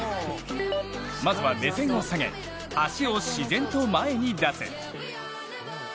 まずは目線を下げ足を自然と前に出す。